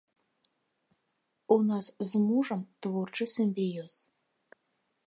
У нас з мужам творчы сімбіёз.